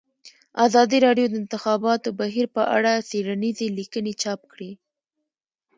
ازادي راډیو د د انتخاباتو بهیر په اړه څېړنیزې لیکنې چاپ کړي.